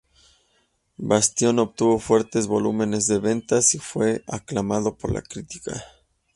Bastion obtuvo fuertes volúmenes de ventas y fue aclamado por la crítica.